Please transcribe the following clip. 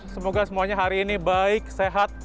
semoga semuanya hari ini baik sehat